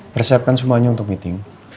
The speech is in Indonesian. persiapkan semuanya untuk meeting